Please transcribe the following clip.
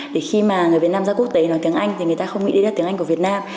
để khi mà người việt nam ra quốc tế nói tiếng anh thì người ta không nghĩ đi ra tiếng anh của việt nam